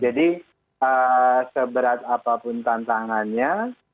jadi seberat apapun tantangannya